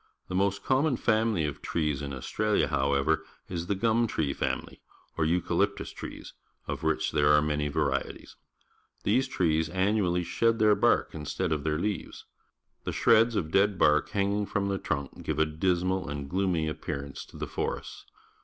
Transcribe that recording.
The most common family of trees in Australia, however, is the gum tree family, or eucalyi^tus trees, of which there are man}' varieties. These trees annually sjied_jjieir— bark .iiistead_ of their ^lga^'es. The shreds of dead bark hang ing from the trunk give a dismal and gloomy appearance to the forests.